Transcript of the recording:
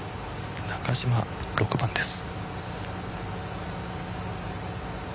中島、６番です。